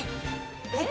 えっ？